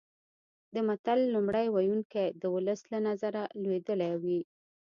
د متل لومړی ویونکی د ولس له نظره لویدلی وي